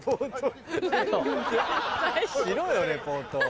しろよリポートを。